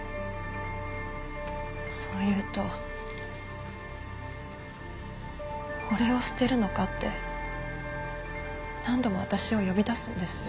そう言うと俺を捨てるのかって何度も私を呼び出すんです。